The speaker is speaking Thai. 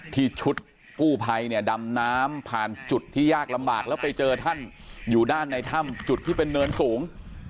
ชุดกู้ภัยเนี่ยดำน้ำผ่านจุดที่ยากลำบากแล้วไปเจอท่านอยู่ด้านในถ้ำจุดที่เป็นเนินสูง